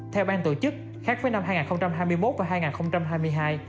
theo ban tổ chức khác với năm hai nghìn hai mươi một và hai nghìn hai mươi hai